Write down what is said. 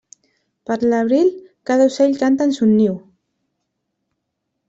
Per l'abril cada ocell canta en son niu.